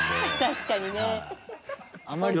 確かにね。